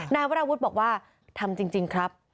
นายวราวุฒิบอกว่าทำจริงครับ